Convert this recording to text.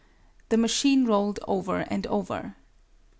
The machine rolled over and over.